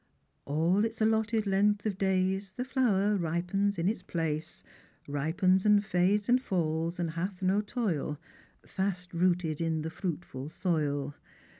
* All its allotted length of clays TLe tlower ripens in its place, Eipens and fades and falls, and Iiatli no toil, Fast rooted in the fruitful soil.